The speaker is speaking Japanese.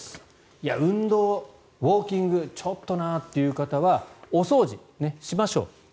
いや、運動、ウォーキングちょっとなっていう方はお掃除しましょう。